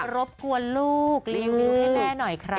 รบกวนลูกรีวิวให้แม่หน่อยครับ